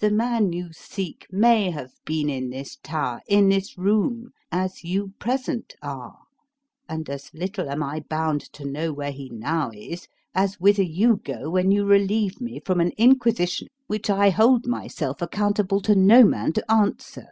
The man you seek may have been in this tower, in this room, as you present are, and as little am I bound to know where he now is, as whither you go when you relieve me from an inquisition which I hold myself accountable to no man to answer."